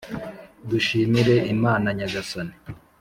dushimire imana nyagasani